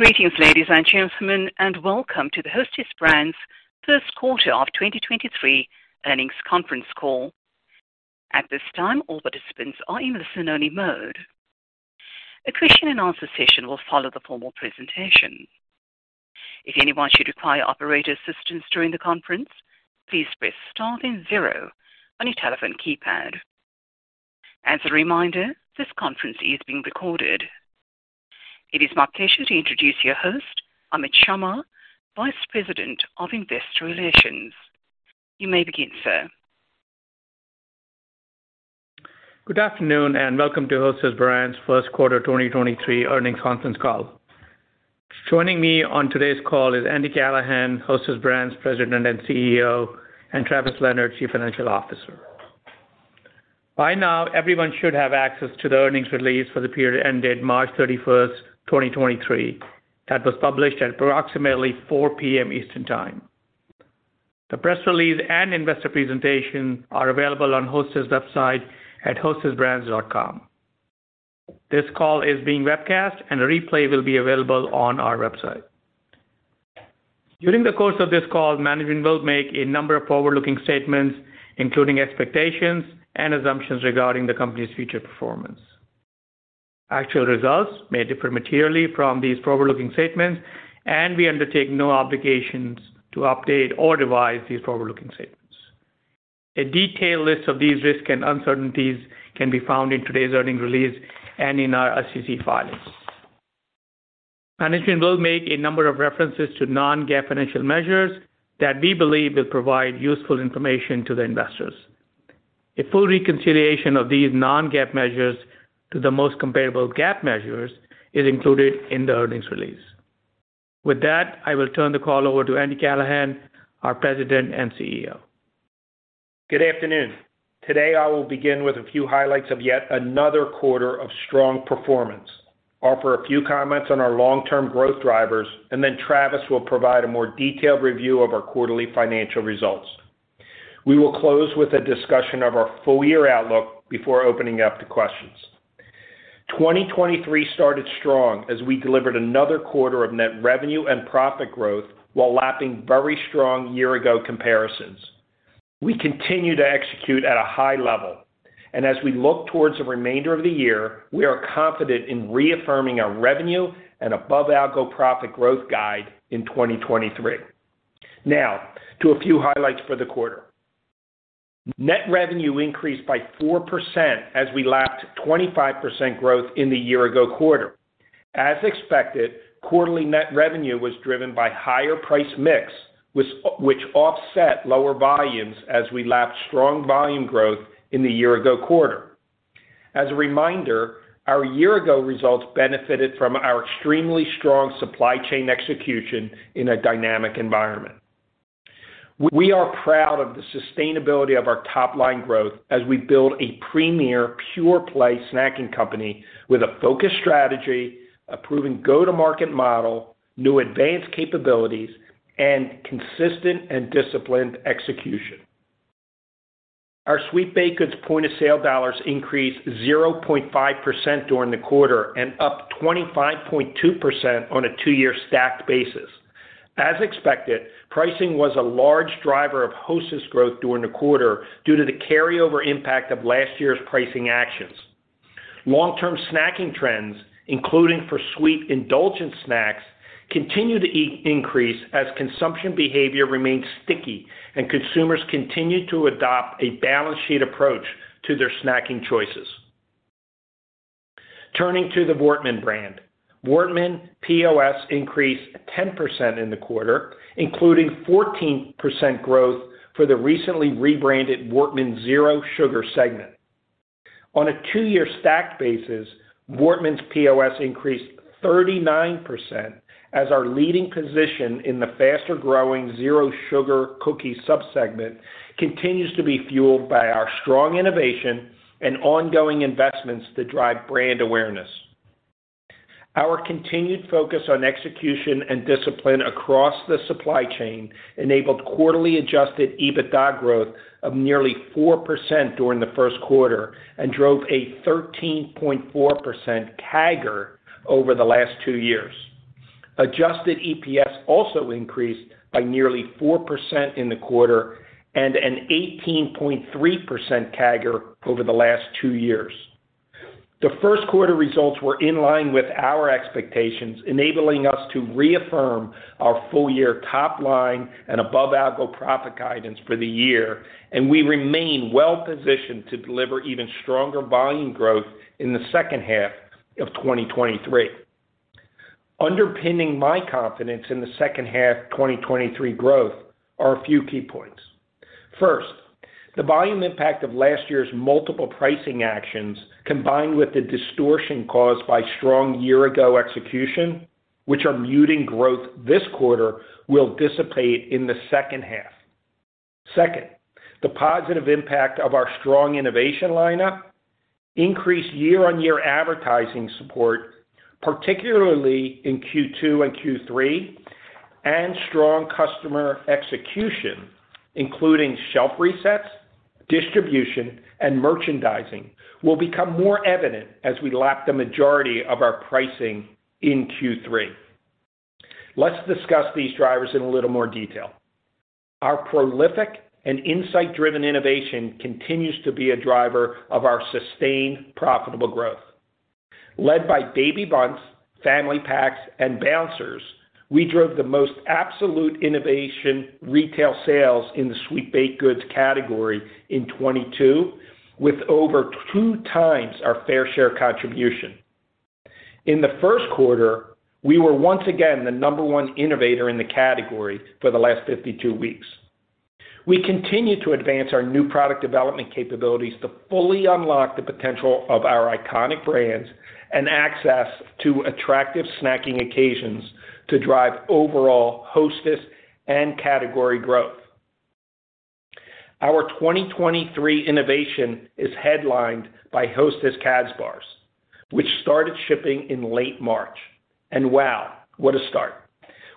Greetings, ladies and gentlemen, welcome to the Hostess Brands first quarter of 2023 earnings conference call. At this time, all participants are in listen only mode. A question and answer session will follow the formal presentation. If anyone should require operator assistance during the conference, please press star then zero on your telephone keypad. As a reminder, this conference is being recorded. It is my pleasure to introduce your host, Amit Sharma, Vice President of Investor Relations. You may begin, sir. Good afternoon and welcome to Hostess Brands' first quarter 2023 earnings conference call. Joining me on today's call is Andy Callahan, Hostess Brands President and CEO, and Travis Leonard, Chief Financial Officer. By now, everyone should have access to the earnings release for the period ended March 31st, 2023. That was published at approximately 4:00 P.M. Eastern Time. The press release and investor presentation are available on Hostess website at hostessbrands.com. This call is being webcast and a replay will be available on our website. During the course of this call, management will make a number of forward-looking statements, including expectations and assumptions regarding the company's future performance. Actual results may differ materially from these forward-looking statements, and we undertake no obligations to update or revise these forward-looking statements. A detailed list of these risks and uncertainties can be found in today's earnings release and in our SEC filings. Management will make a number of references to non-GAAP financial measures that we believe will provide useful information to the investors. A full reconciliation of these non-GAAP measures to the most comparable GAAP measures is included in the earnings release. With that, I will turn the call over to Andy Callahan, our President and CEO. Good afternoon. Today I will begin with a few highlights of yet another quarter of strong performance, offer a few comments on our long-term growth drivers, Travis will provide a more detailed review of our quarterly financial results. We will close with a discussion of our full year outlook before opening up to questions. 2023 started strong as we delivered another quarter of net revenue and profit growth while lapping very strong year-ago comparisons. We continue to execute at a high level as we look towards the remainder of the year, we are confident in reaffirming our revenue and above our algo profit growth guide in 2023. To a few highlights for the quarter. Net revenue increased by 4% as we lapped 25% growth in the year-ago quarter. As expected, quarterly net revenue was driven by higher price mix, which offset lower volumes as we lapped strong volume growth in the year ago quarter. As a reminder, our year ago results benefited from our extremely strong supply chain execution in a dynamic environment. We are proud of the sustainability of our top line growth as we build a premier pure play snacking company with a focused strategy, a proven go-to-market model, new advanced capabilities and consistent and disciplined execution. Our sweet baked goods point of sale dollars increased 0.5% during the quarter and up 25.2% on a two-year stacked basis. As expected, pricing was a large driver of Hostess growth during the quarter due to the carryover impact of last year's pricing actions. Long term snacking trends, including for sweet indulgent snacks, continue to increase as consumption behavior remains sticky and consumers continue to adopt a balance sheet approach to their snacking choices. Turning to the Voortman brand. Voortman POS increased 10% in the quarter, including 14% growth for the recently rebranded Voortman Zero Sugar segment. On a two-year stacked basis, Voortman's POS increased 39% as our leading position in the faster growing zero sugar cookie sub-segment continues to be fueled by our strong innovation and ongoing investments that drive brand awareness. Our continued focus on execution and discipline across the supply chain enabled quarterly adjusted EBITDA growth of nearly 4% during the first quarter and drove a 13.4% CAGR over the last two years. Adjusted EPS also increased by nearly 4% in the quarter and an 18.3% CAGR over the last two years. The first quarter results were in line with our expectations, enabling us to reaffirm our full year top line and above our algo profit guidance for the year. We remain well positioned to deliver even stronger volume growth in the second half of 2023. Underpinning my confidence in the second half 2023 growth are a few key points. First, the volume impact of last year's multiple pricing actions, combined with the distortion caused by strong year ago execution, which are muting growth this quarter, will dissipate in the second half. Second, the positive impact of our strong innovation lineup increased year-on-year advertising support, particularly in Q2 and Q3. Strong customer execution, including shelf resets, distribution, and merchandising will become more evident as we lap the majority of our pricing in Q3. Let's discuss these drivers in a little more detail. Our prolific and insight-driven innovation continues to be a driver of our sustained profitable growth. Led by Baby Bundts, Family Packs, and Bouncers, we drove the most absolute innovation retail sales in the sweet baked goods category in 22, with over 2x our fair share contribution. In the first quarter, we were once again the number one innovator in the category for the last 52 weeks. We continue to advance our new product development capabilities to fully unlock the potential of our iconic brands and access to attractive snacking occasions to drive overall Hostess and category growth. Our 2023 innovation is headlined by Hostess Kazbars, which started shipping in late March. Wow, what a start.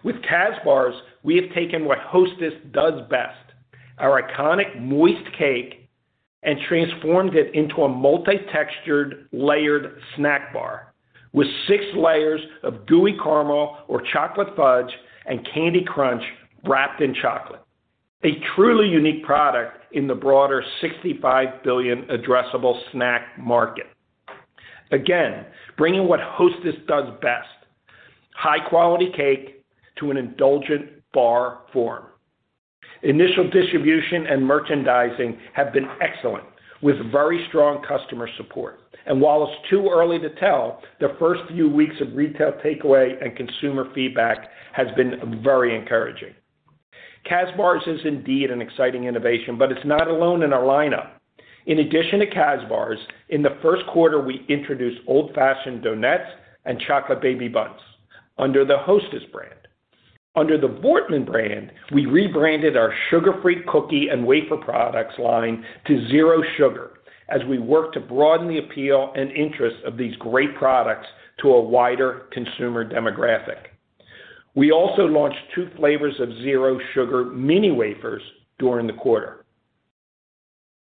With Kazbars, we have taken what Hostess does best, our iconic moist cake, and transformed it into a multi-textured layered snack bar with six layers of gooey caramel or chocolate fudge and candy crunch wrapped in chocolate. A truly unique product in the broader $65 billion addressable snack market. Again, bringing what Hostess does best, high-quality cake to an indulgent bar form. Initial distribution and merchandising have been excellent with very strong customer support. While it's too early to tell, the first few weeks of retail takeaway and consumer feedback has been very encouraging. Kazbars is indeed an exciting innovation, but it's not alone in our lineup. In addition to Kazbars, in the first quarter, we introduced old-fashioned donuts and chocolate Baby Bundts under the Hostess brand. Under the Voortman brand, we rebranded our sugar-free cookie and wafer products line to Zero Sugar as we work to broaden the appeal and interest of these great products to a wider consumer demographic. We also launched two flavors of Zero Sugar mini wafers during the quarter.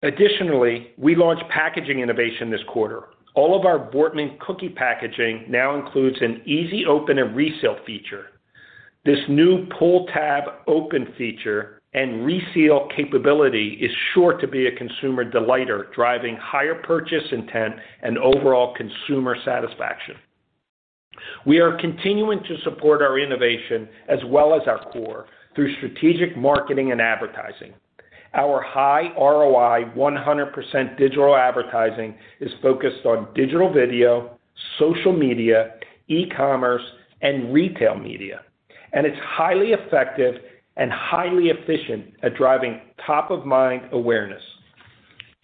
Additionally, we launched packaging innovation this quarter. All of our Voortman cookie packaging now includes an easy open and reseal feature. This new pull tab open feature and reseal capability is sure to be a consumer delighter, driving higher purchase intent and overall consumer satisfaction. We are continuing to support our innovation as well as our core through strategic marketing and advertising. Our high ROI 100% digital advertising is focused on digital video, social media, e-commerce, and retail media. It's highly effective and highly efficient at driving top-of-mind awareness,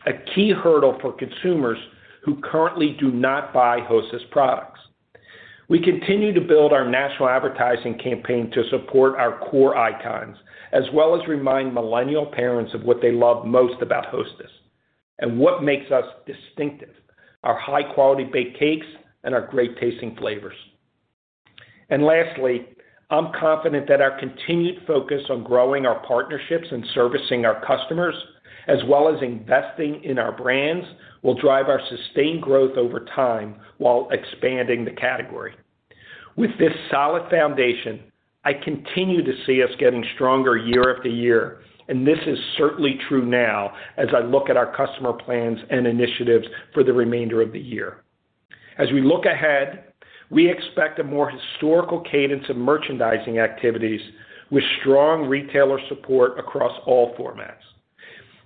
a key hurdle for consumers who currently do not buy Hostess products. We continue to build our national advertising campaign to support our core icons as well as remind millennial parents of what they love most about Hostess and what makes us distinctive, our high-quality baked cakes and our great-tasting flavors. Lastly, I'm confident that our continued focus on growing our partnerships and servicing our customers as well as investing in our brands will drive our sustained growth over time while expanding the category. With this solid foundation, I continue to see us getting stronger year after year, and this is certainly true now as I look at our customer plans and initiatives for the remainder of the year. As we look ahead, we expect a more historical cadence of merchandising activities with strong retailer support across all formats.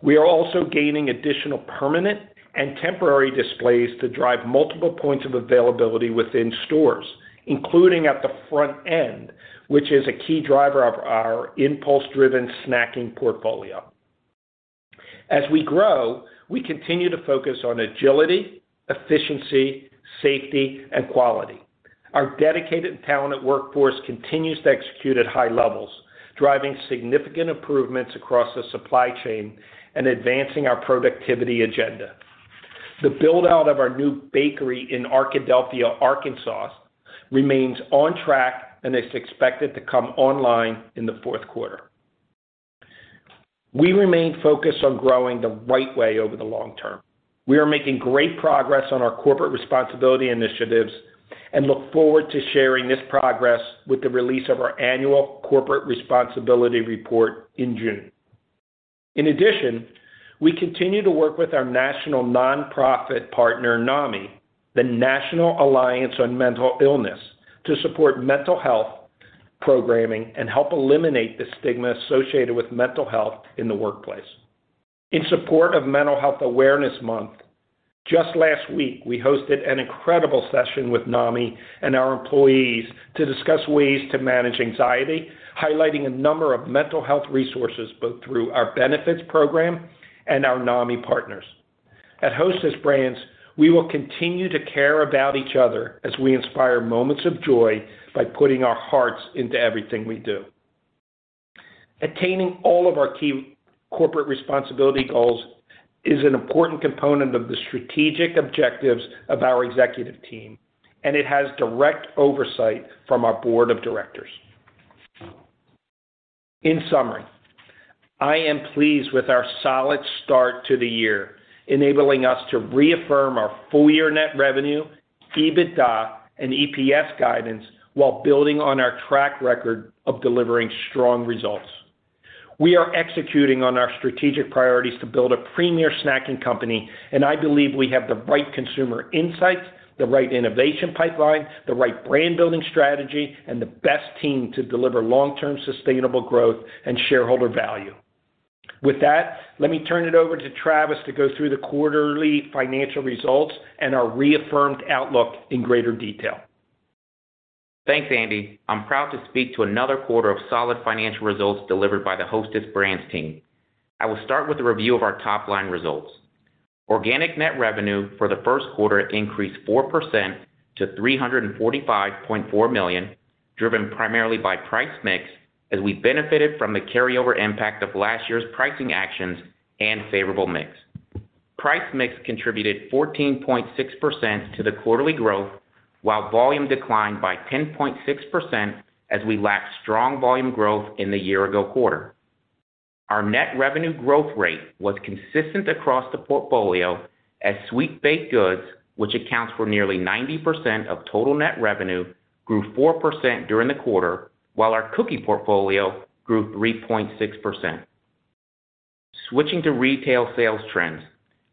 We are also gaining additional permanent and temporary displays to drive multiple points of availability within stores, including at the front end, which is a key driver of our impulse-driven snacking portfolio. As we grow, we continue to focus on agility, efficiency, safety, and quality. Our dedicated and talented workforce continues to execute at high levels, driving significant improvements across the supply chain and advancing our productivity agenda. The build-out of our new bakery in Arkadelphia, Arkansas, remains on track, and it's expected to come online in the fourth quarter. We remain focused on growing the right way over the long term. We are making great progress on our corporate responsibility initiatives and look forward to sharing this progress with the release of our annual corporate responsibility report in June. In addition, we continue to work with our national nonprofit partner, NAMI, the National Alliance on Mental Illness, to support mental health programming and help eliminate the stigma associated with mental health in the workplace. In support of Mental Health Awareness Month, just last week, we hosted an incredible session with NAMI and our employees to discuss ways to manage anxiety, highlighting a number of mental health resources both through our benefits program and our NAMI partners. At Hostess Brands, we will continue to care about each other as we inspire moments of joy by putting our hearts into everything we do. Attaining all of our key corporate responsibility goals is an important component of the strategic objectives of our executive team, and it has direct oversight from our board of directors. In summary, I am pleased with our solid start to the year, enabling us to reaffirm our full year net revenue, EBITDA, and EPS guidance while building on our track record of delivering strong results. We are executing on our strategic priorities to build a premier snacking company, and I believe we have the right consumer insights, the right innovation pipeline, the right brand-building strategy, and the best team to deliver long-term sustainable growth and shareholder value. With that, let me turn it over to Travis to go through the quarterly financial results and our reaffirmed outlook in greater detail. Thanks, Andy. I'm proud to speak to another quarter of solid financial results delivered by the Hostess Brands team. I will start with a review of our top-line results. Organic net revenue for the first quarter increased 4% to $345.4 million, driven primarily by price mix, as we benefited from the carryover impact of last year's pricing actions and favorable mix. Price mix contributed 14.6% to the quarterly growth while volume declined by 10.6% as we lacked strong volume growth in the year-ago quarter. Our net revenue growth rate was consistent across the portfolio as sweet baked goods, which accounts for nearly 90% of total net revenue, grew 4% during the quarter, while our cookie portfolio grew 3.6%. Switching to retail sales trends.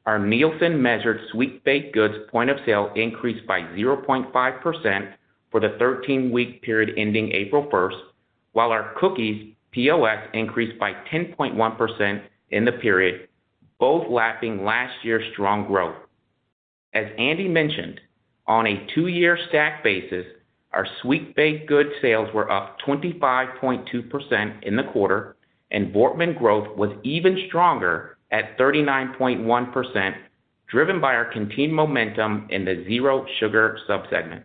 Our Nielsen-measured sweet baked goods point of sale increased by 0.5% for the 13-week period ending April 1st, while our cookies POS increased by 10.1% in the period, both lapping last year's strong growth. As Andy mentioned, on a two-year stack basis, our sweet baked goods sales were up 25.2% in the quarter, and Voortman growth was even stronger at 39.1%, driven by our continued momentum in the Zero Sugar sub-segment.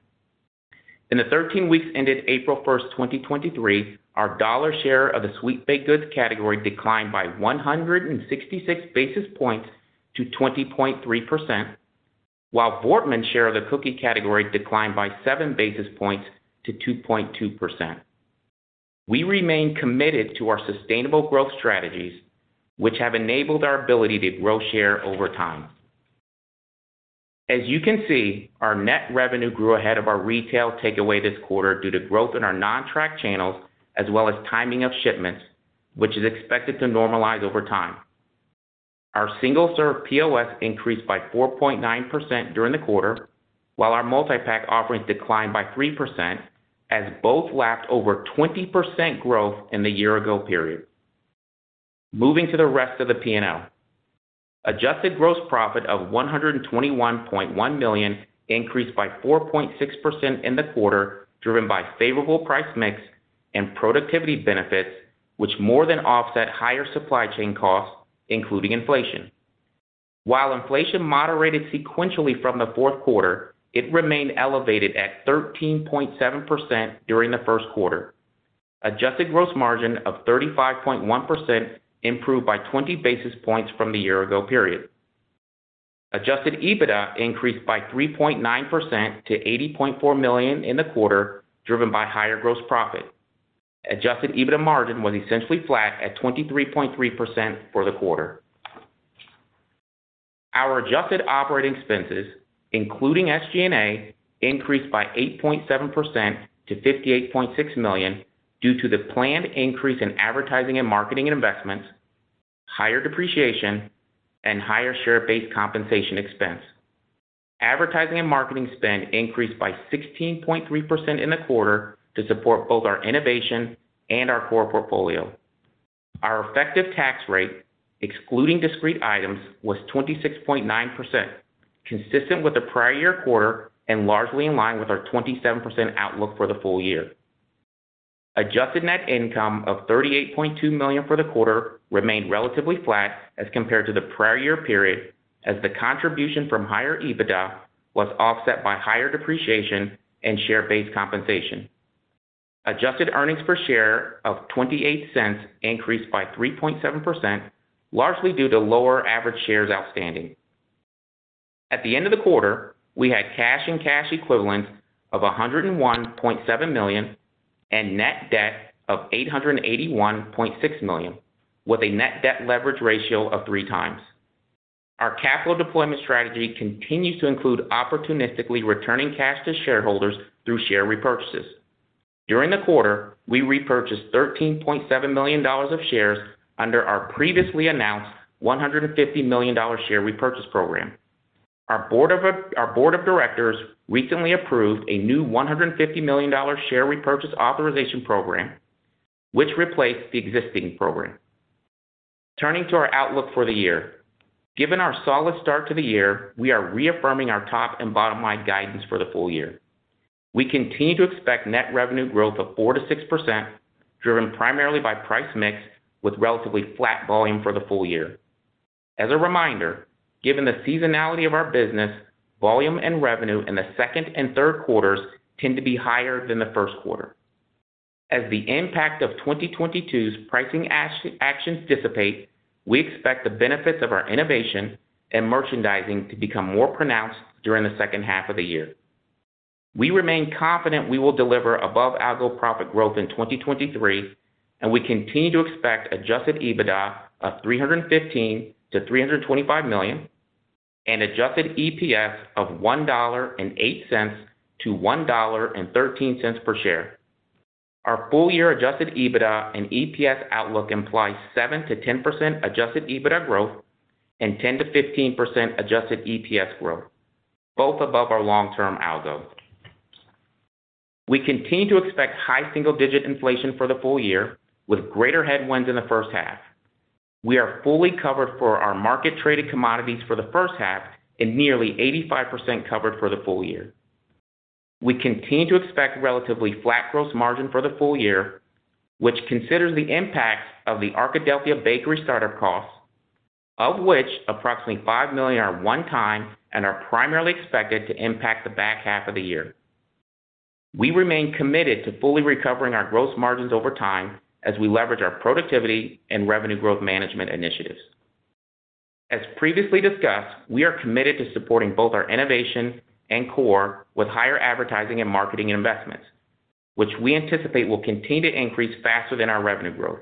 In the 13 weeks ended April 1st, 2023, our dollar share of the sweet baked goods category declined by 166 basis points to 20.3%, while Voortman's share of the cookie category declined by seven basis points to 2.2%. We remain committed to our sustainable growth strategies, which have enabled our ability to grow share over time. As you can see, our net revenue grew ahead of our retail takeaway this quarter due to growth in our non-track channels as well as timing of shipments, which is expected to normalize over time. Our single-serve POS increased by 4.9% during the quarter, while our multi-pack offerings declined by 3% as both lapped over 20% growth in the year-ago period. Moving to the rest of the P&L. Adjusted gross profit of $121.1 million increased by 4.6% in the quarter, driven by favorable price mix and productivity benefits, which more than offset higher supply chain costs, including inflation. While inflation moderated sequentially from the fourth quarter, it remained elevated at 13.7% during the first quarter. Adjusted gross margin of 35.1% improved by 20 basis points from the year-ago period. Adjusted EBITDA increased by 3.9% to $80.4 million in the quarter, driven by higher gross profit. Adjusted EBITDA margin was essentially flat at 23.3% for the quarter. Our adjusted operating expenses, including SG&A, increased by 8.7% to $58.6 million due to the planned increase in advertising and marketing investments, higher depreciation, and higher share-based compensation expense. Advertising and marketing spend increased by 16.3% in the quarter to support both our innovation and our core portfolio. Our effective tax rate, excluding discrete items, was 26.9%, consistent with the prior year quarter and largely in line with our 27% outlook for the full year. Adjusted net income of $38.2 million for the quarter remained relatively flat as compared to the prior year period, as the contribution from higher EBITDA was offset by higher depreciation and share-based compensation. Adjusted earnings per share of $0.28 increased by 3.7%, largely due to lower average shares outstanding. At the end of the quarter, we had cash and cash equivalents of $101.7 million and net debt of $881.6 million, with a net debt leverage ratio of 3x. Our capital deployment strategy continues to include opportunistically returning cash to shareholders through share repurchases. During the quarter, we repurchased $13.7 million of shares under our previously announced $150 million share repurchase program. Our board of directors recently approved a new $150 million share repurchase authorization program, which replaced the existing program. Turning to our outlook for the year. Given our solid start to the year, we are reaffirming our top- and bottom-line guidance for the full year. We continue to expect net revenue growth of 4%-6%, driven primarily by price mix with relatively flat volume for the full year. As a reminder, given the seasonality of our business, volume and revenue in the second and third quarters tend to be higher than the first quarter. As the impact of 2022's pricing actions dissipate, we expect the benefits of our innovation and merchandising to become more pronounced during the second half of the year. We remain confident we will deliver above algo profit growth in 2023. We continue to expect adjusted EBITDA of $315 million-$325 million and adjusted EPS of $1.08-$1.13 per share. Our full year adjusted EBITDA and EPS outlook implies 7%-10% adjusted EBITDA growth and 10%-15% adjusted EPS growth, both above our long-term algo. We continue to expect high single-digit inflation for the full year with greater headwinds in the first half. We are fully covered for our market-traded commodities for the first half and nearly 85% covered for the full year. We continue to expect relatively flat gross margin for the full year, which considers the impacts of the Arkadelphia bakery startup costs, of which approximately $5 million are one time and are primarily expected to impact the back half of the year. We remain committed to fully recovering our gross margins over time as we leverage our productivity and revenue growth management initiatives. As previously discussed, we are committed to supporting both our innovation and core with higher advertising and marketing investments, which we anticipate will continue to increase faster than our revenue growth.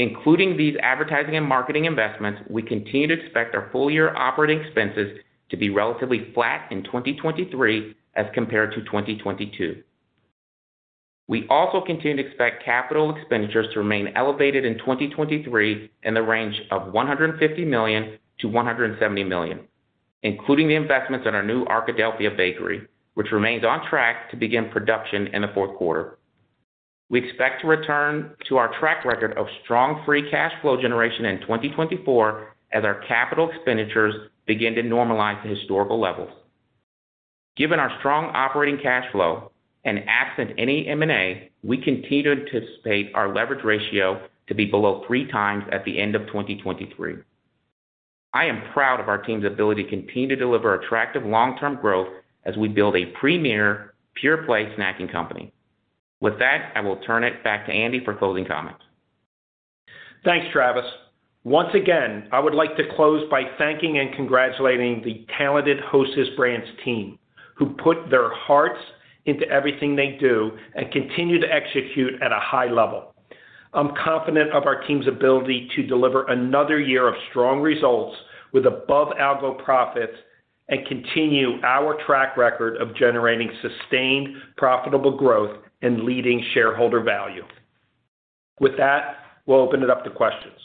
Including these advertising and marketing investments, we continue to expect our full year operating expenses to be relatively flat in 2023 as compared to 2022. We also continue to expect capital expenditures to remain elevated in 2023 in the range of $150 million-$170 million, including the investments in our new Arkadelphia bakery, which remains on track to begin production in the fourth quarter. We expect to return to our track record of strong free cash flow generation in 2024 as our capital expenditures begin to normalize to historical levels. Given our strong operating cash flow and absent any M&A, we continue to anticipate our leverage ratio to be below 3x at the end of 2023. I am proud of our team's ability to continue to deliver attractive long-term growth as we build a premier pure-play snacking company. I will turn it back to Andy for closing comments. Thanks, Travis. Once again, I would like to close by thanking and congratulating the talented Hostess Brands team, who put their hearts into everything they do and continue to execute at a high level. I'm confident of our team's ability to deliver another year of strong results with above algo profits and continue our track record of generating sustained, profitable growth and leading shareholder value. With that, we'll open it up to questions.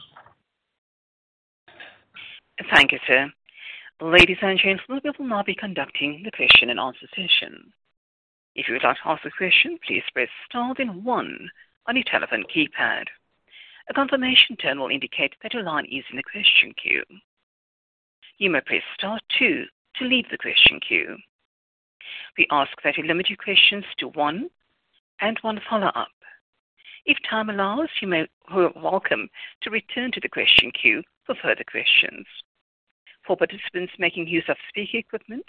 Thank you, sir. Ladies and gentlemen, we will now be conducting the question and answer session. If you would like to ask a question, please press star then one on your telephone keypad. A confirmation tone will indicate that your line is in the question queue. You may press star two to leave the question queue. We ask that you limit your questions to one and one follow-up. If time allows, you're welcome to return to the question queue for further questions. For participants making use of speaker equipment,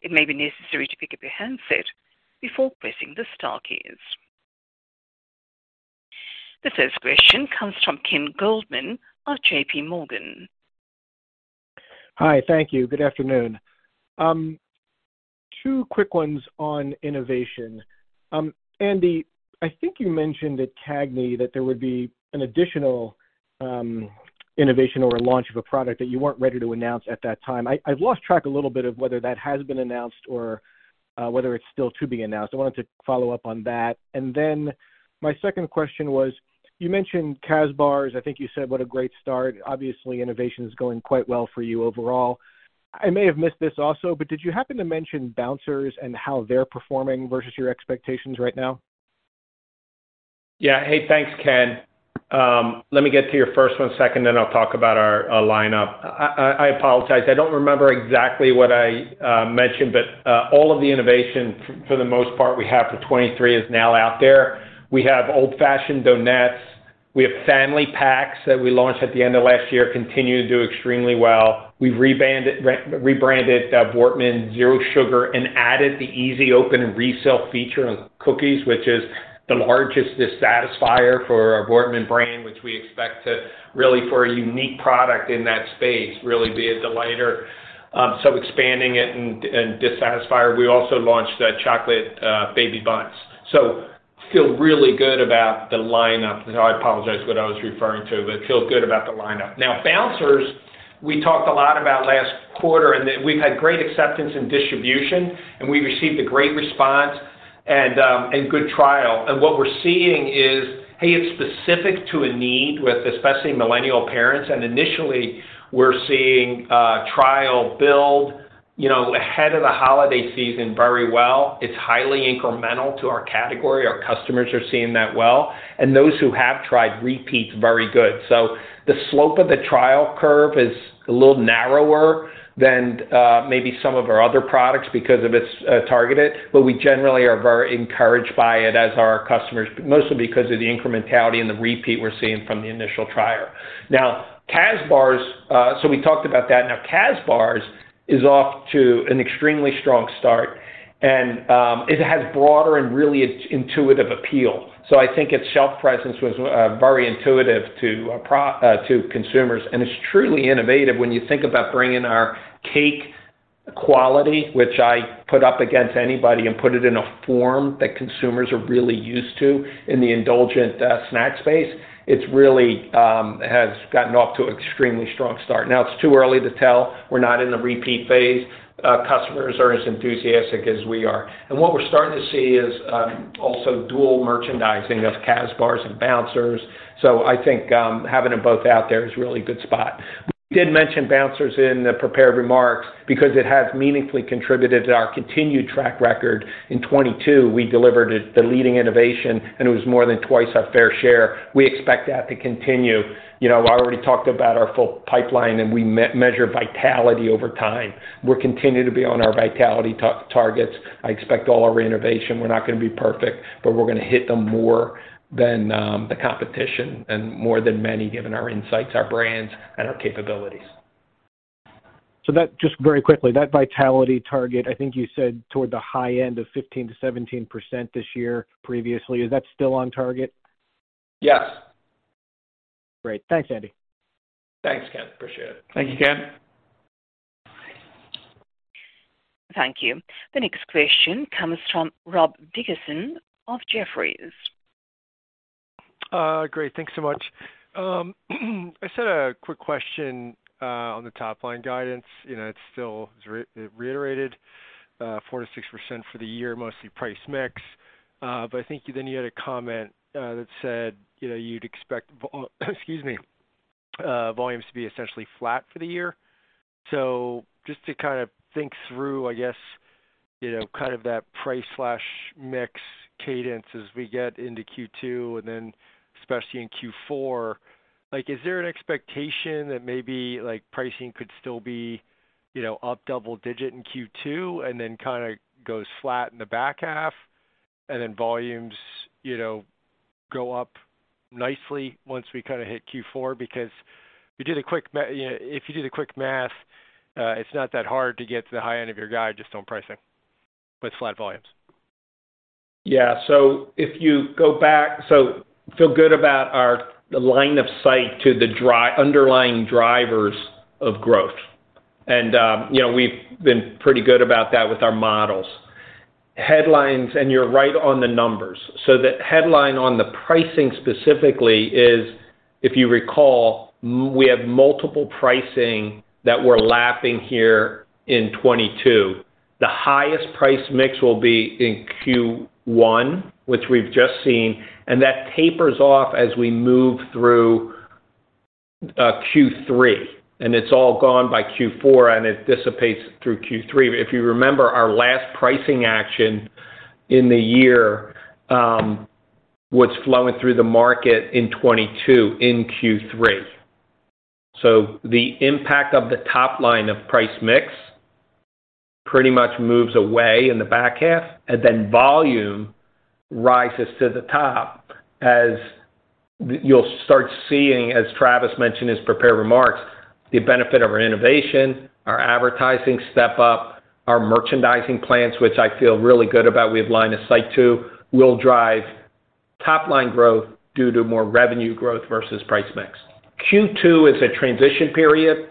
it may be necessary to pick up your handset before pressing the star keys. The first question comes from Ken Goldman of J.P. Morgan. Hi. Thank you. Good afternoon. Two quick ones on innovation. Andy, I think you mentioned at CAGNY that there would be an additional innovation or a launch of a product that you weren't ready to announce at that time. I've lost track a little bit of whether that has been announced or whether it's still to be announced. I wanted to follow up on that. My second question was, you mentioned Kazbars. I think you said what a great start. Obviously, innovation is going quite well for you overall. I may have missed this also, but did you happen to mention Bouncers and how they're performing versus your expectations right now? Hey, thanks, Ken. Let me get to your first one second, then I'll talk about our lineup. I apologize. I don't remember exactly what I mentioned, but all of the innovation for the most part we have for 23 is now out there. We have old-fashioned donuts. We have Family Packs that we launched at the end of last year, continue to do extremely well. We've re-rebranded Voortman Zero Sugar and added the easy open and reseal feature on cookies, which is the largest dissatisfier for our Voortman brand, which we expect to really, for a unique product in that space, really be a delighter. So expanding it and dissatisfier. We also launched the chocolate Baby Bundts. Feel really good about the lineup. I apologize what I was referring to, but feel good about the lineup. Bouncers, we talked a lot about last quarter and that we've had great acceptance in distribution, and we received a great response and good trial. What we're seeing is, hey, it's specific to a need with especially millennial parents. Initially, we're seeing trial build, you know, ahead of the holiday season very well. It's highly incremental to our category. Our customers are seeing that well, and those who have tried repeat very good. The slope of the trial curve is a little narrower than maybe some of our other products because of its targeted. We generally are very encouraged by it as our customers, mostly because of the incrementality and the repeat we're seeing from the initial trier. Kazbars, we talked about that. Kazbars is off to an extremely strong start. It has broader and really intuitive appeal. I think its shelf presence was very intuitive to consumers, and it's truly innovative when you think about bringing our cake quality, which I put up against anybody, and put it in a form that consumers are really used to in the indulgent snack space. It's really has gotten off to extremely strong start. It's too early to tell. We're not in the repeat phase. Customers are as enthusiastic as we are. What we're starting to see is also dual merchandising of Kazbars and Bouncers. I think having them both out there is really good spot. We did mention Bouncers in the prepared remarks because it has meaningfully contributed to our continued track record. In 2022, we delivered it the leading innovation, and it was more than twice our fair share. We expect that to continue. You know, I already talked about our full pipeline, and I measure vitality over time. We'll continue to be on our vitality targets. I expect all our innovation. We're not going to be perfect, but we're gonna hit them more than the competition and more than many, given our insights, our brands, and our capabilities. That just very quickly, that vitality target, I think you said toward the high end of 15%-17% this year previously. Is that still on target? Yes. Great. Thanks, Andy. Thanks, Ken. Appreciate it. Thank you, Ken. Thank you. The next question comes from Rob Dickerson of Jefferies. Great. Thanks so much. I just had a quick question on the top-line guidance. You know, it's still reiterated 4%-6% for the year, mostly price mix. I think you then you had a comment that said, you know, you'd expect excuse me, volumes to be essentially flat for the year. Just to kind of think through, I guess, you know, kind of that price/mix cadence as we get into Q2 and then especially in Q4. Is there an expectation that maybe like pricing could still be, you know, up double-digit in Q2 and then kind of goes flat in the back half, and then volumes, you know, go up nicely once we kind of hit Q4? Because if you did a quick math, it's not that hard to get to the high end of your guide just on pricing with flat volumes. Yeah. Feel good about our the line of sight to the underlying drivers of growth. You know, we've been pretty good about that with our models. Headlines, you're right on the numbers. The headline on the pricing specifically is, if you recall, we have multiple pricing that we're lapping here in 2022. The highest price mix will be in Q1, which we've just seen, and that tapers off as we move through Q3, and it's all gone by Q4 and it dissipates through Q3. If you remember our last pricing action in the year, what's flowing through the market in 2022 in Q3. The impact of the top line of price mix pretty much moves away in the back half, and then volume rises to the top as you'll start seeing, as Travis mentioned his prepared remarks, the benefit of our innovation, our advertising step up, our merchandising plans, which I feel really good about we have line of sight to, will drive top line growth due to more revenue growth versus price mix. Q2 is a transition period,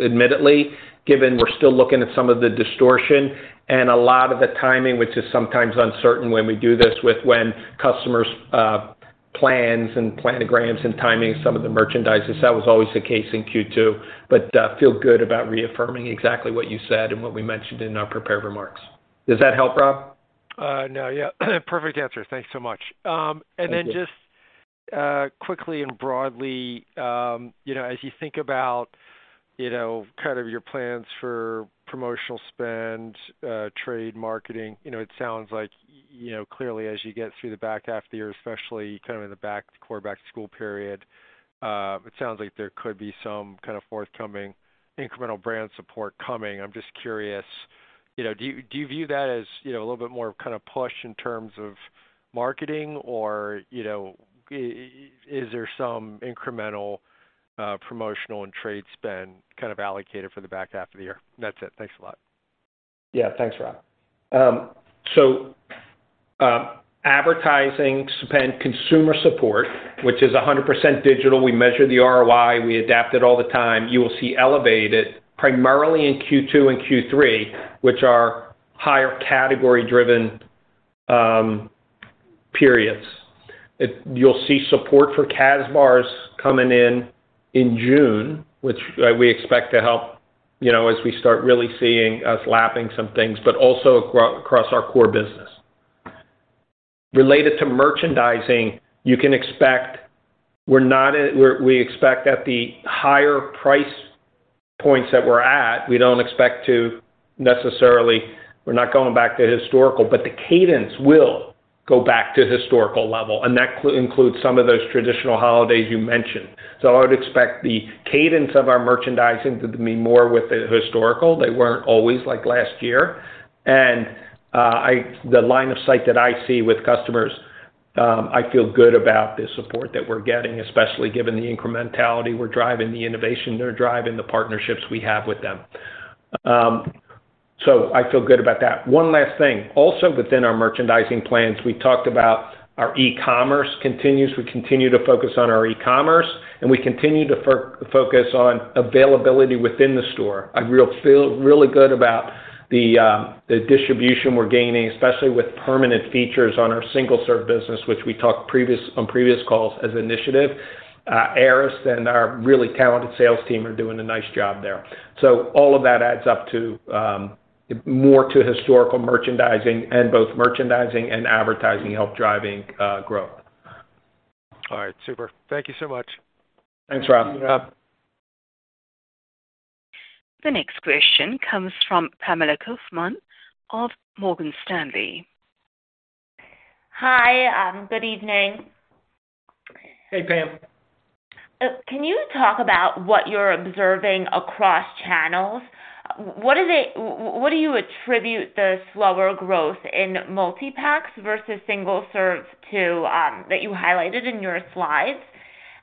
admittedly, given we're still looking at some of the distortion and a lot of the timing, which is sometimes uncertain when we do this with when customers plans and planograms and timing some of the merchandise. That was always the case in Q2, but feel good about reaffirming exactly what you said and what we mentioned in our prepared remarks. Does that help, Rob? No. Yeah, perfect answer. Thanks so much. Thank you. Just quickly and broadly, you know, as you think about, you know, kind of your plans for promotional spend, trade marketing, you know, it sounds like, you know, clearly as you get through the back half of the year, especially kind of in the core back school period, it sounds like there could be some kind of forthcoming incremental brand support coming. I'm just curious, you know, do you view that as, you know, a little bit more kind of push in terms of marketing or, you know, is there some incremental promotional and trade spend kind of allocated for the back half of the year? That's it. Thanks a lot. Thanks, Rob. Advertising spend, consumer support, which is 100% digital. We measure the ROI, we adapt it all the time. You will see elevated primarily in Q2 and Q3, which are higher category-driven periods. You'll see support for Kazbars coming in in June, which we expect to help, you know, as we start really seeing us lapping some things, but also across our core business. Related to merchandising, you can expect we expect that the higher price points that we're at, we don't expect to necessarily... We're not going back to historical, but the cadence will go back to historical level, and that includes some of those traditional holidays you mentioned. I would expect the cadence of our merchandising to be more with the historical. They weren't always like last year. The line of sight that I see with customers. I feel good about the support that we're getting, especially given the incrementality we're driving, the innovation they're driving, the partnerships we have with them. I feel good about that. One last thing. Also within our merchandising plans, we talked about our e-commerce continues. We continue to focus on our e-commerce, and we continue to focus on availability within the store. I really good about the distribution we're gaining, especially with permanent features on our single-serve business, which we talked on previous calls as initiative. Aras and our really talented sales team are doing a nice job there. All of that adds up to more to historical merchandising and both merchandising and advertising help driving growth. All right. Super. Thank you so much. Thanks, Rob. Yeah. The next question comes from Pamela Kaufman of Morgan Stanley. Hi. good evening. Hey, Pam. Can you talk about what you're observing across channels? What do you attribute the slower growth in multipacks versus single-serve to, that you highlighted in your slides?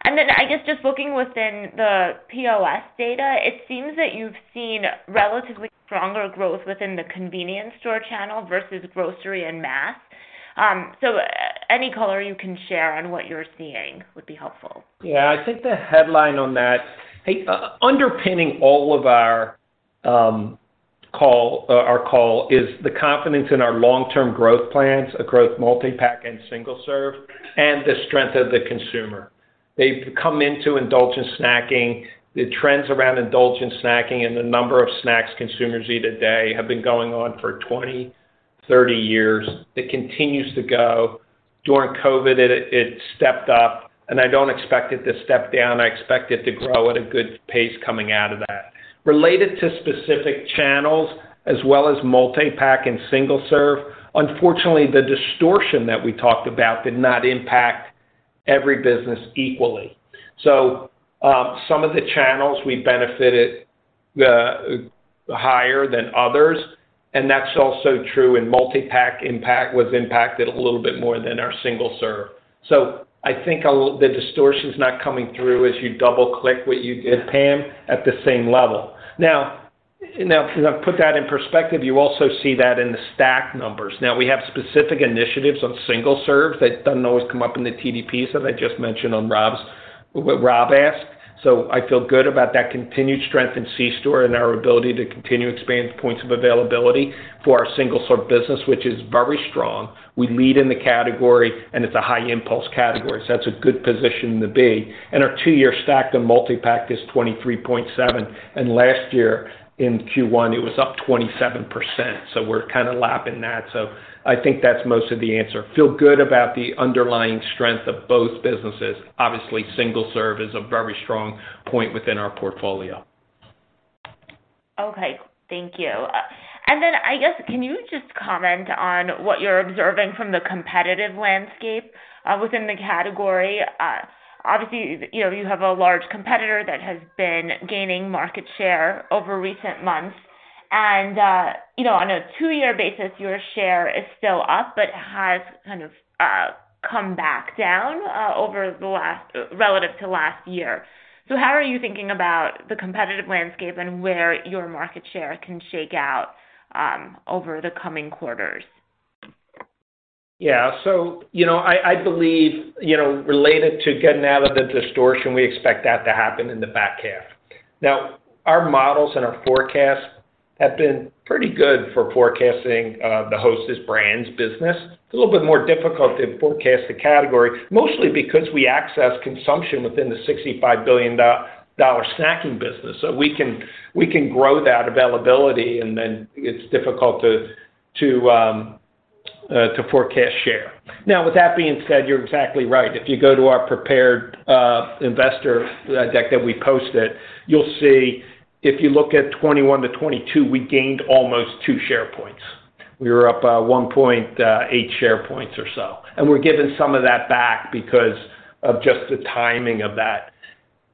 Then I guess just looking within the POS data, it seems that you've seen relatively stronger growth within the convenience store channel versus grocery and mass. Any color you can share on what you're seeing would be helpful. Yeah. I think the headline on that. Hey, underpinning all of our call, our call is the confidence in our long-term growth plans, a growth multipack and single-serve, and the strength of the consumer. They've come into indulgent snacking. The trends around indulgent snacking and the number of snacks consumers eat a day have been going on for 20, 30 years. It continues to go. During COVID, it stepped up, and I don't expect it to step down. I expect it to grow at a good pace coming out of that. Related to specific channels as well as multipack and single-serve, unfortunately, the distortion that we talked about did not impact every business equally. Some of the channels we benefited, higher than others, and that's also true in multipack impact was impacted a little bit more than our single-serve. I think the distortion's not coming through as you double-click what you did, Pam, at the same level. Now to put that in perspective, you also see that in the stack numbers. We have specific initiatives on single-serve that doesn't always come up in the TDPs, as I just mentioned on what Rob asked. I feel good about that continued strength in c-store and our ability to continue to expand points of availability for our single-serve business, which is very strong. We lead in the category, and it's a high impulse category. That's a good position to be. Our two-year stack, the multipack is 23.7%, and last year in Q1, it was up 27%. We're kind of lapping that. I think that's most of the answer. Feel good about the underlying strength of both businesses. Obviously, single-serve is a very strong point within our portfolio. Okay. Thank you. Can you just comment on what you're observing from the competitive landscape within the category? Obviously, you know, you have a large competitor that has been gaining market share over recent months. You know, on a two-year basis, your share is still up, but has kind of come back down relative to last year. How are you thinking about the competitive landscape and where your market share can shake out over the coming quarters? Yeah. I believe, you know, related to getting out of the distortion, we expect that to happen in the back half. Our models and our forecasts have been pretty good for forecasting the Hostess Brands business. It's a little bit more difficult to forecast the category, mostly because we access consumption within the $65 billion dollar snacking business. We can grow that availability, and then it's difficult to forecast share. With that being said, you're exactly right. If you go to our prepared investor deck that we posted, you'll see if you look at 2021 to 2022, we gained almost two share points. We were up 1.8 share points or so. We're giving some of that back because of just the timing of that.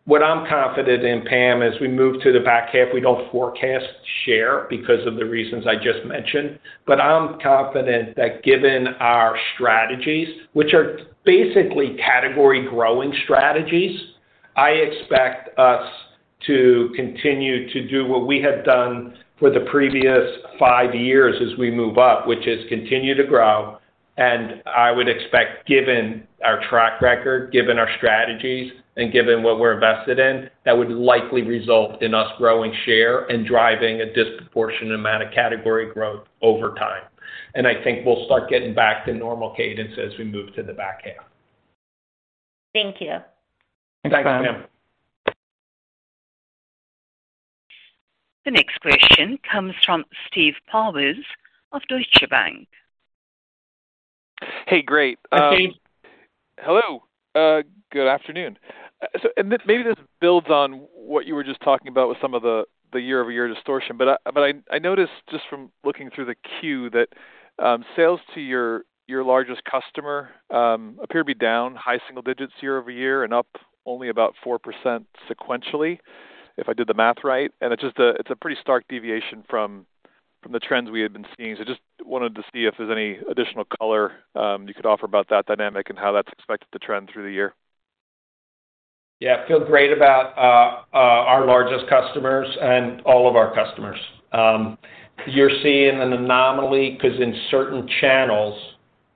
What I'm confident in, Pam, as we move to the back half, we don't forecast share because of the reasons I just mentioned, but I'm confident that given our strategies, which are basically category growing strategies, I expect us to continue to do what we have done for the previous five years as we move up, which is continue to grow. I would expect, given our track record, given our strategies, and given what we're invested in, that would likely result in us growing share and driving a disproportionate amount of category growth over time. I think we'll start getting back to normal cadence as we move to the back half. Thank you. Thanks, Pam. The next question comes from Steve Powers of Deutsche Bank. Hey. Great. Hey, Steve. Hello. Good afternoon. Maybe this builds on what you were just talking about with some of the year-over-year distortion, but I noticed just from looking through the queue that sales to your largest customer appear to be down high single digits year-over-year and up only about 4% sequentially, if I did the math right. It's just a pretty stark deviation from the trends we had been seeing. Just wanted to see if there's any additional color you could offer about that dynamic and how that's expected to trend through the year. Yeah. Feel great about our largest customers and all of our customers. You're seeing an anomaly because in certain channels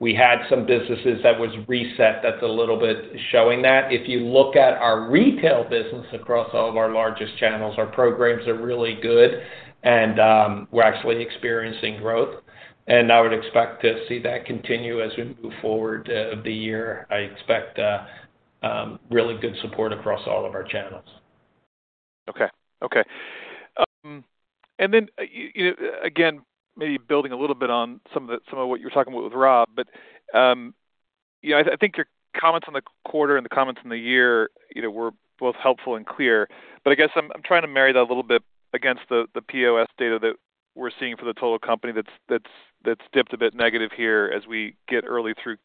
we had some businesses that was reset. That's a little bit showing that. If you look at our retail business across all of our largest channels, our programs are really good and we're actually experiencing growth. I would expect to see that continue as we move forward of the year. I expect really good support across all of our channels. Okay. Okay. You know, again, maybe building a little bit on some of the, some of what you were talking about with Rob. You know, I think your comments on the quarter and the comments on the year, you know, were both helpful and clear. I guess I'm trying to marry that a little bit against the POS data that we're seeing for the total company that's dipped a bit negative here as we get early through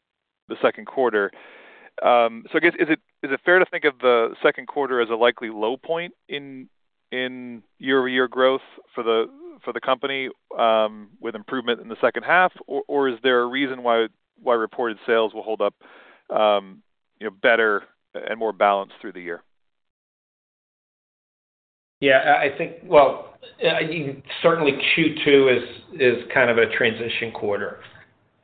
the second quarter. I guess, is it fair to think of the second quarter as a likely low point in year-over-year growth for the company, with improvement in the second half? Is there a reason why reported sales will hold up, you know, better and more balanced through the year? I think, well, I think certainly Q2 is kind of a transition quarter.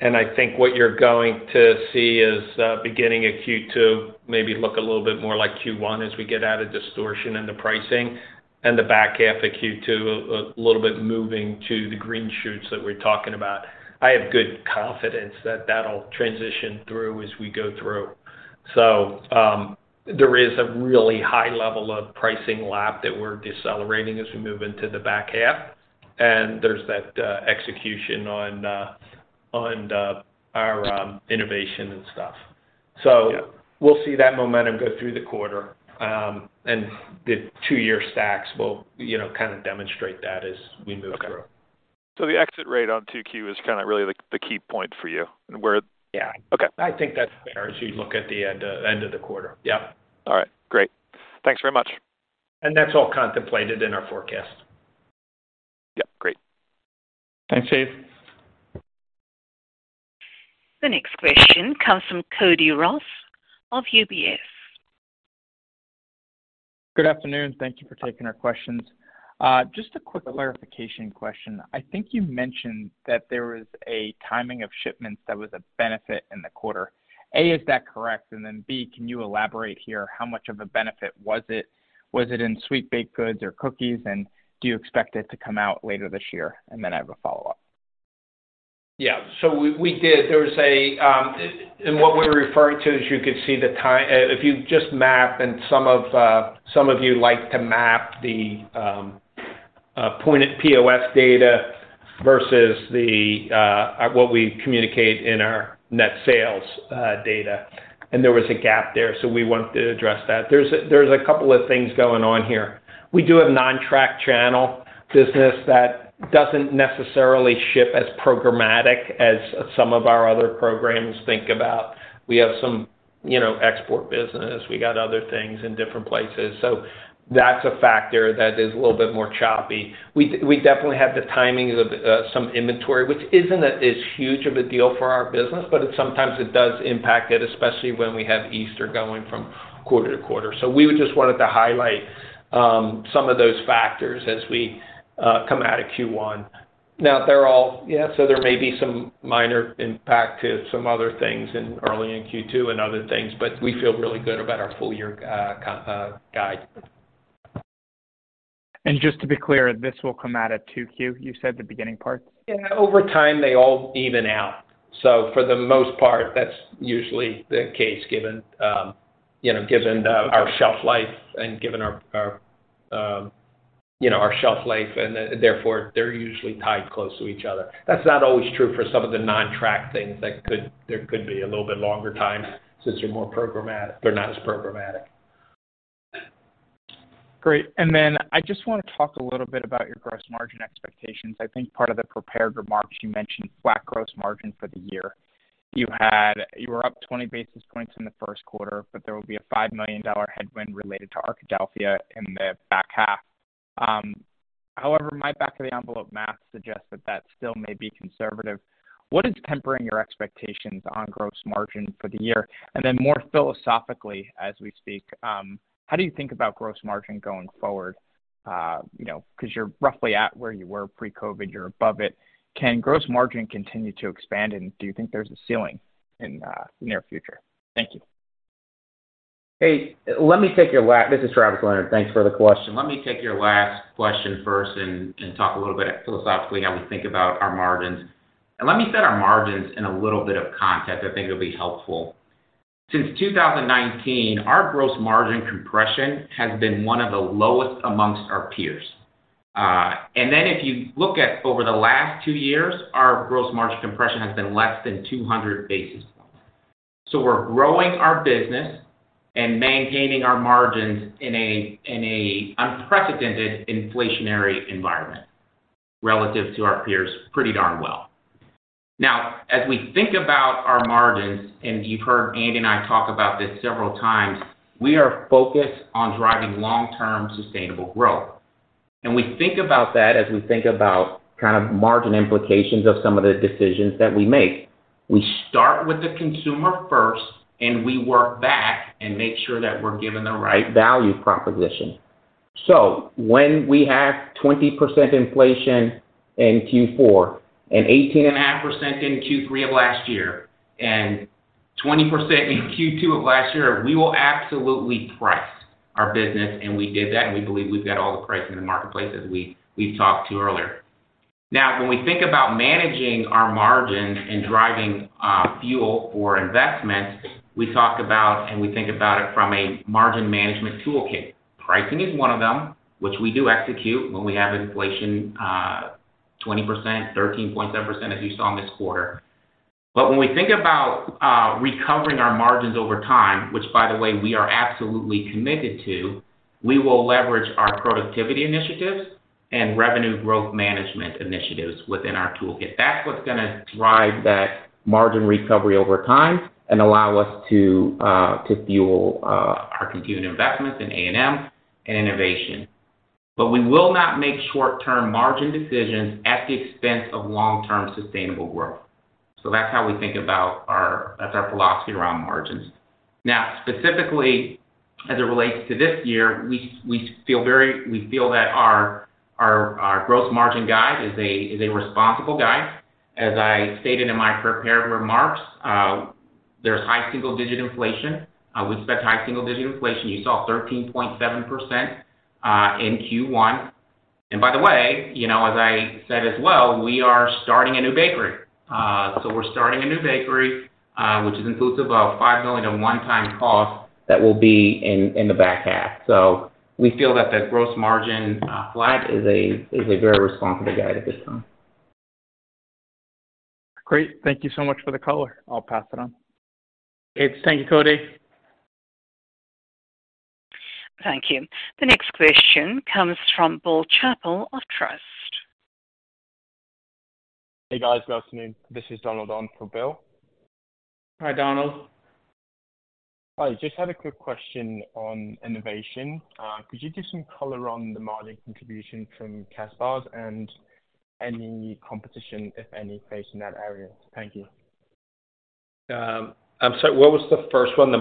I think what you're going to see is beginning of Q2 maybe look a little bit more like Q1 as we get out of distortion in the pricing and the back half of Q2 a little bit moving to the green shoots that we're talking about. I have good confidence that that'll transition through as we go through. There is a really high level of pricing lap that we're decelerating as we move into the back half, and there's that execution on our innovation and stuff. Yeah. We'll see that momentum go through the quarter. The two-year stacks will, you know, kind of demonstrate that as we move through. Okay. The exit rate on 2Q is kind of really the key point for you. Yeah. Okay. I think that's fair, as you look at the end of the quarter. Yeah. All right, great. Thanks very much. That's all contemplated in our forecast. Yeah. Great. Thanks, Steve. The next question comes from Cody Ross of UBS. Good afternoon. Thank you for taking our questions. Just a quick clarification question. I think you mentioned that there was a timing of shipments that was a benefit in the quarter. A, is that correct? B, can you elaborate here how much of a benefit was it? Was it in sweet baked goods or cookies, and do you expect it to come out later this year? I have a follow-up. Yeah. We, we did. There was a... What we're referring to, as you could see if you just map and some of you like to map the point at POS data versus what we communicate in our net sales data. There was a gap there, so we wanted to address that. There's a, there's a couple of things going on here. We do have non-track channel business that doesn't necessarily ship as programmatic as some of our other programs think about. We have some, you know, export business. We got other things in different places. That's a factor that is a little bit more choppy. We definitely have the timing of some inventory, which isn't as huge of a deal for our business, but it sometimes does impact it, especially when we have Easter going from quarter to quarter. We would just wanted to highlight some of those factors as we come out of Q1. Yeah, there may be some minor impact to some other things in early in Q2 and other things, but we feel really good about our full year guide. Just to be clear, this will come out at 2Q, you said the beginning parts? Yeah. Over time, they all even out. For the most part, that's usually the case given, you know, given. Okay. our shelf life and given our, you know, our shelf life. They're usually tied close to each other. That's not always true for some of the non-track things there could be a little bit longer time since they're not as programmatic. Great. I just wanna talk a little bit about your gross margin expectations. I think part of the prepared remarks, you mentioned flat gross margin for the year. You were up 20 basis points in the first quarter, but there will be a $5 million headwind related to Arkadelphia in the back half. However, my back of the envelope math suggests that that still may be conservative. What is tempering your expectations on gross margin for the year? More philosophically, as we speak, how do you think about gross margin going forward? You know, 'cause you're roughly at where you were pre-COVID, you're above it. Can gross margin continue to expand, and do you think there's a ceiling in the near future? Thank you. Hey, let me take your. This is Travis Leonard. Thanks for the question. Let me take your last question first and talk a little bit philosophically how we think about our margins. Let me set our margins in a little bit of context. I think it'll be helpful. Since 2019, our gross margin compression has been one of the lowest amongst our peers. And then if you look at over the last two years, our gross margin compression has been less than 200 basis points. We're growing our business and maintaining our margins in a unprecedented inflationary environment relative to our peers pretty darn well. As we think about our margins, and you've heard Andy and I talk about this several times, we are focused on driving long-term sustainable growth. We think about that as we think about kind of margin implications of some of the decisions that we make. We start with the consumer first, and we work back and make sure that we're given the right value proposition. When we have 20% inflation in Q4 and 18.5% in Q3 of last year and 20% in Q2 of last year, we will absolutely price our business. We did that, and we believe we've got all the price in the marketplace as we talked to you earlier. When we think about managing our margins and driving fuel for investments, we talk about, and we think about it from a margin management toolkit. Pricing is one of them, which we do execute when we have inflation, 20%, 13.7%, as you saw in this quarter. When we think about recovering our margins over time, which, by the way, we are absolutely committed to, we will leverage our productivity initiatives and revenue growth management initiatives within our toolkit. That's what's gonna drive that margin recovery over time and allow us to fuel our continued investments in A&M and innovation. We will not make short-term margin decisions at the expense of long-term sustainable growth. That's how we think about our philosophy around margins. Specifically as it relates to this year, we feel that our growth margin guide is a responsible guide. As I stated in my prepared remarks, there's high single-digit inflation. We expect high single-digit inflation. You saw 13.7% in Q1. By the way, you know, as I said as well, we are starting a new bakery. We're starting a new bakery, which is inclusive of a $5 million and one-time cost that will be in the back half. We feel that the gross margin flat is a very responsible guide at this time. Great. Thank you so much for the color. I'll pass it on. Thank you, Cody. Thank you. The next question comes from Bill Chappell of Truist. Hey, guys. Good afternoon. This is Donald on for Bill. Hi, Donald. Hi. Just had a quick question on innovation. Could you give some color on the margin contribution from Kazbars and any competition, if any, faced in that area? Thank you. I'm sorry, what was the first one? The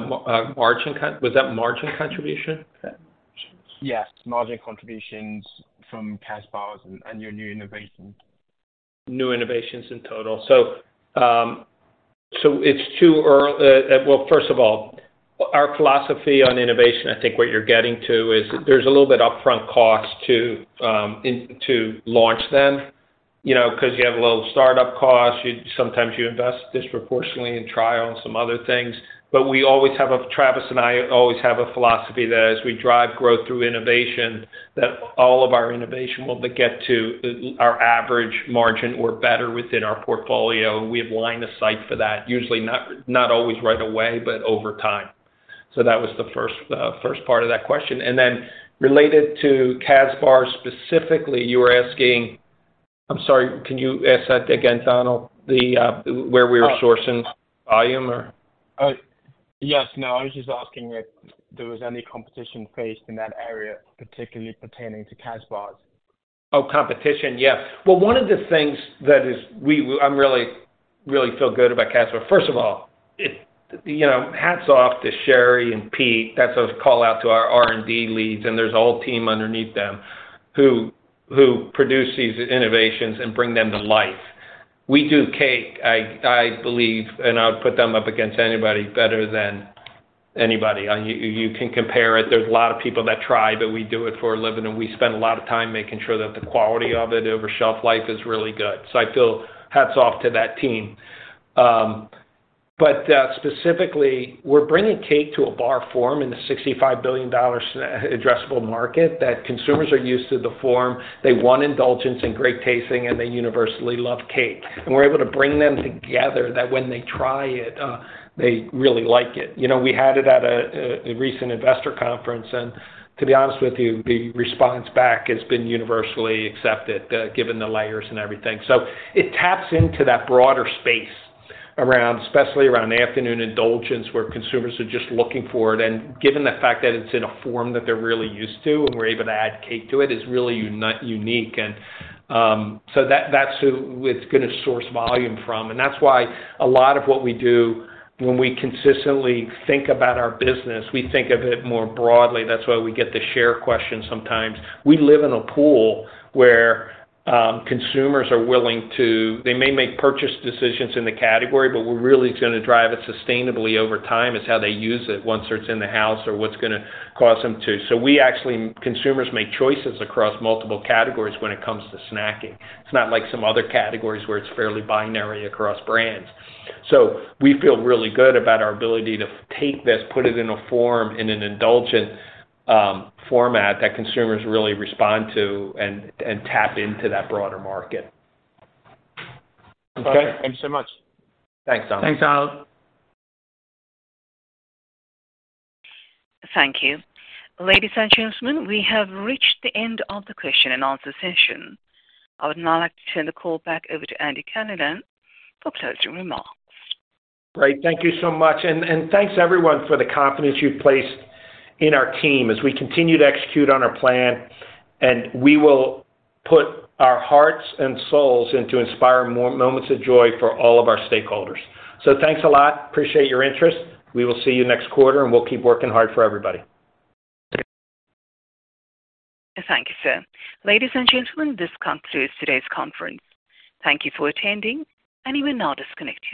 margin? Was that margin contribution? Yes, margin contributions from Kazbars and your new innovations. New innovations in total. Well, first of all, our philosophy on innovation, I think what you're getting to is there's a little bit upfront cost to launch them, you know, 'cause you have a little startup cost. Sometimes you invest disproportionately in trial and some other things. Travis and I always have a philosophy that as we drive growth through innovation, that all of our innovation will get to our average margin or better within our portfolio. We have line of sight for that, usually not always right away, but over time. That was the first part of that question. Then related to Kazbars specifically, you were asking... I'm sorry, can you ask that again, Donald? The where we were sourcing volume or? yes. No, I was just asking if there was any competition faced in that area, particularly pertaining to Kazbars. Competition. Yeah. One of the things that I'm really feel good about Kazbars. First of all, you know, hats off to Sherry and Pete. That's a call out to our R&D leads, and there's a whole team underneath them who produce these innovations and bring them to life. We do cake, I believe, and I would put them up against anybody better than anybody. You can compare it. There's a lot of people that try, but we do it for a living, and we spend a lot of time making sure that the quality of it over shelf life is really good. I feel hats off to that team. Specifically, we're bringing cake to a bar form in the $65 billion addressable market that consumers are used to the form. They want indulgence and great tasting, and they universally love cake. We're able to bring them together that when they try it, they really like it. You know, we had it at a recent investor conference, and to be honest with you, the response back has been universally accepted, given the layers and everything. It taps into that broader space around, especially around afternoon indulgence, where consumers are just looking for it. Given the fact that it's in a form that they're really used to and we're able to add cake to it, is really unique. So that's who it's gonna source volume from. That's why a lot of what we do when we consistently think about our business, we think of it more broadly. That's why we get the share question sometimes. We live in a pool where consumers are willing to. They may make purchase decisions in the category, but what really is gonna drive it sustainably over time is how they use it once it's in the house or what's gonna cause them to. Consumers make choices across multiple categories when it comes to snacking. It's not like some other categories where it's fairly binary across brands. We feel really good about our ability to take this, put it in a form in an indulgent format that consumers really respond to and tap into that broader market. Okay. Thank you so much. Thanks, Donald. Thanks, Donald. Thank you. Ladies and gentlemen, we have reached the end of the question and answer session. I would now like to turn the call back over to Andy Callahan for closing remarks. Great. Thank you so much. Thanks everyone for the confidence you've placed in our team as we continue to execute on our plan, we will put our hearts and souls in to inspire more moments of joy for all of our stakeholders. Thanks a lot. Appreciate your interest. We will see you next quarter, we'll keep working hard for everybody. Thank you, sir. Ladies and gentlemen, this concludes today's conference. Thank you for attending, and you are now disconnected.